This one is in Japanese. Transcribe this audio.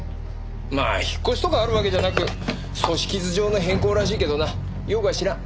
まあ引っ越しとかあるわけじゃなく組織図上の変更らしいけどなよくは知らん。